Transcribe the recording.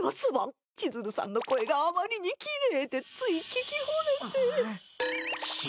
千鶴さんの声があまりにきれいでつい聞きほれて。